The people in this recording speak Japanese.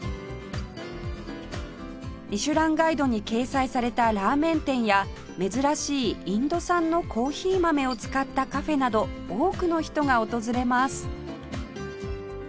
『ミシュランガイド』に掲載されたラーメン店や珍しいインド産のコーヒー豆を使ったカフェなど多くの人が訪れます